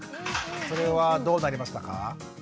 それはどうなりましたか？